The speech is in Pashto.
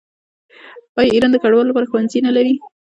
آیا ایران د کډوالو لپاره ښوونځي نلري؟